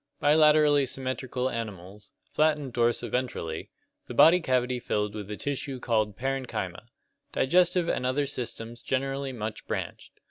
Bilaterally symmetrical animals, flattened dorso ventrally, CLASSIFICATION OF ORGANISMS 35 the body cavity filled with a tissue called parenchyma. Digestive and other systems generally much branched.